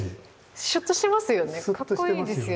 シュッとしてますよね。